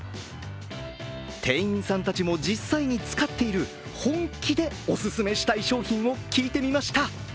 店員さんたちも実際に使っている本気でオススメしたい商品を聞いてみました。